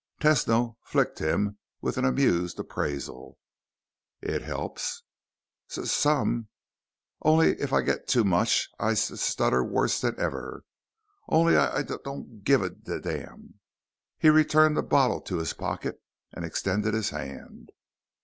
Tesno flicked him with amused appraisal. "It helps?" "S some. Only if I get too much, I s stutter worse than ever. Only I d don't give a d d damn." He returned the bottle to his pocket and extended his hand.